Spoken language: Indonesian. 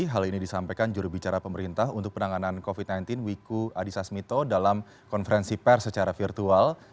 hal ini disampaikan jurubicara pemerintah untuk penanganan covid sembilan belas wiku adhisa smito dalam konferensi pers secara virtual